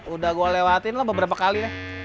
udah gua lewatin beberapa kali